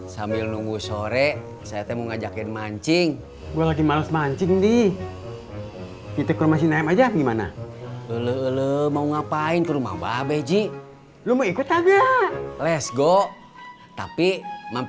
sampai jumpa di video selanjutnya